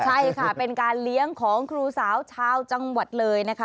ใช่ค่ะเป็นการเลี้ยงของครูสาวชาวจังหวัดเลยนะคะ